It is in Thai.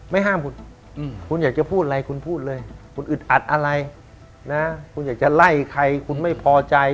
ไม่ห้ามคุณคุณอยากจะพูดอะไรคุณพูดเลยคุณอึดอัดอะไรนะคุณอยากจะไล่ใครคุณไม่พอใจ